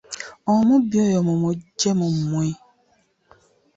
Omubi oyo mumuggye mu mmwe.